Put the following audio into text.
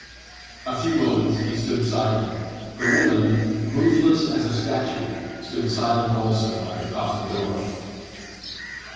A few moments he stood silent. The woman, moveless as a statue, stood silent also by the coffin door.